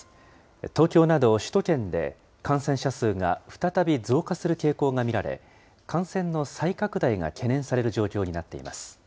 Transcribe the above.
東京など首都圏で、感染者数が再び増加する傾向が見られ、感染の再拡大が懸念される状況になっています。